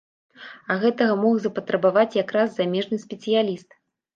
А гэтага мог запатрабаваць якраз замежны спецыяліст.